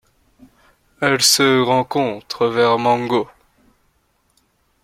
Elle se rencontre vers Mango.